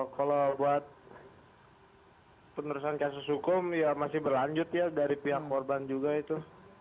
kalau buat penerusan kasus hukum ya masih berlanjut ya dari pihak korban juga itu